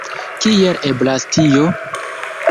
Kiel eblas tio?